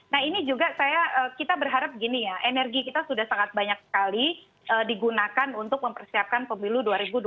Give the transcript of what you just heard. nah ini juga saya kita berharap gini ya energi kita sudah sangat banyak sekali digunakan untuk mempersiapkan pemilu dua ribu dua puluh